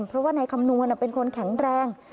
เพราะว่านายคำนวณเป็นคนแข็งแรง